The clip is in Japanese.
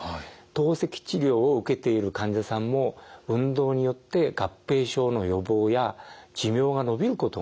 透析治療を受けている患者さんも運動によって合併症の予防や寿命がのびることがはっきりしています。